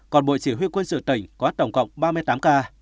còn bộ chỉ huy quân sự tỉnh có tổng cộng ba mươi tám ca